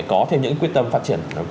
có thêm những quyết tâm phát triển